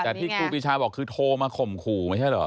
แต่ที่ครูปีชาบอกคือโทรมาข่มขู่ไม่ใช่เหรอ